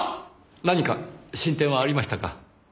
何か進展はありましたか？